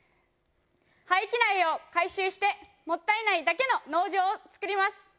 廃棄苗を回収してもったい苗だけの農場を作ります。